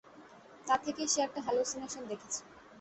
তা থেকেই সে একটা হেলুসিনেশন দেখেছে।